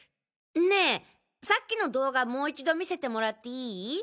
ねえさっきの動画もう一度見せてもらっていい？